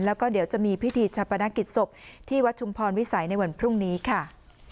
แล้วก็เดี๋ยวจะมีพิธีชาปนกิจศพที่วัดชุมพรวิสัยในวันพรุ่งนี้ค่ะ